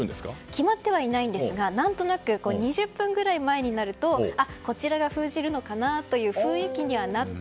決まってはいないんですが何となく２０分くらい前になるとこちらが封じるのかなという雰囲気にはなって。